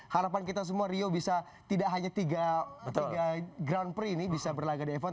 harapan kita semua rio bisa tidak hanya tiga grand prix ini bisa berlagak di f satu